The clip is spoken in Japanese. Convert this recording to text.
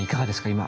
今。